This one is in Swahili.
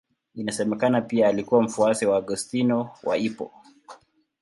Inasemekana pia alikuwa mfuasi wa Augustino wa Hippo.